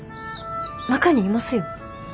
中にいますよ。